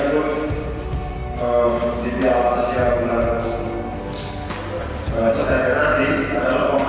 diikut di piala aff u enam belas setiap hari nanti adalah pemain